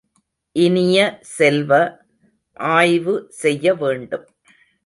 இனிய செல்வ, ஆய்வு செய்ய வேண்டும்.